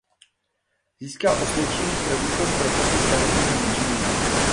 Získal osvědčení pro výkon profese stavebního inženýra.